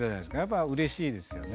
やっぱりうれしいですよね。